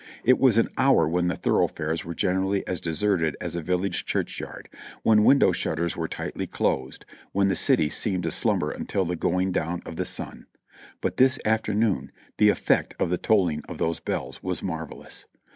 It was an hour when the thorough fares were generally as deserted as a village church yard ; when window shutters were tightly closed ; when the city seemed to slumber until the going down of the sun; but this afternoon the effect of the tolling of those bells was marvelous.